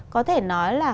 có thể nói là